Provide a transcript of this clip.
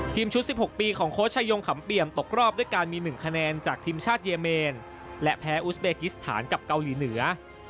ชุด๑๖ปีของโค้ชชายงขำเปี่ยมตกรอบด้วยการมี๑คะแนนจากทีมชาติเยเมนและแพ้อุสเบกิสถานกับเกาหลีเหนือ